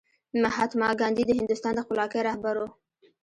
مهاتما ګاندي د هندوستان د خپلواکۍ رهبر و.